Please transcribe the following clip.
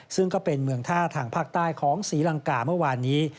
ซึ่งก็เป็นเมืองท่าทางภาคใต้ของศรีลังกาเมื่อวานนี้